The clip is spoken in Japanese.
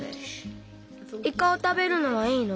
イカをたべるのはいいの？